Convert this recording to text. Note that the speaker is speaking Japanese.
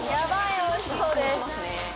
おいしそうです。